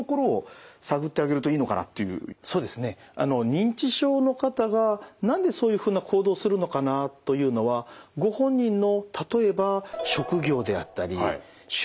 認知症の方が何でそういうふうな行動をするのかなというのはご本人の例えば職業であったり習慣ですね。